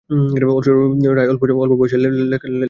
রায় অল্প বয়সেই লেখা শুরু করেছিলেন।